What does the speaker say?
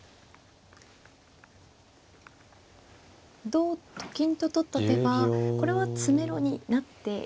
同と金と取った手はこれは詰めろになって。